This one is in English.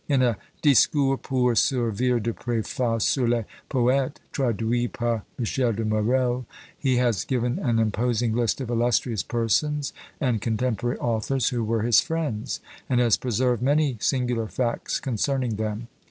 In a "Discours pour servir de Préface sur les PoÃḋtes, traduits par Michel de Marolles," he has given an imposing list of "illustrious persons and contemporary authors who were his friends," and has preserved many singular facts concerning them.